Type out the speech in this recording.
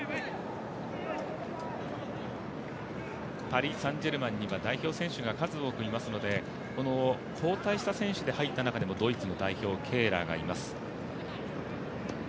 パリ・サン＝ジェルマンには代表選手が数多くいますので、この交代した選手の中でもドイツの代表、ケーラーがいます。